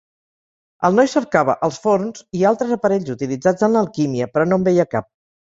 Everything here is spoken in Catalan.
El noi cercava els forns i altres aparells utilitzats en l'alquímia, però no en veia cap.